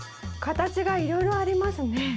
形がいろいろありますね。